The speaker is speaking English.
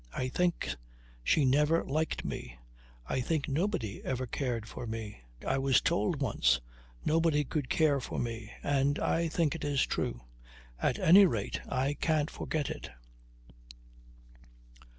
I think she never liked me. I think nobody ever cared for me. I was told once nobody could care for me; and I think it is true. At any rate I can't forget it."